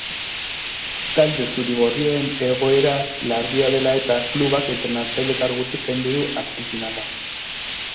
Talde zuri-gorriaren egoera larria dela eta, klubak entrenatzaile kargutik kendu du argentinarra.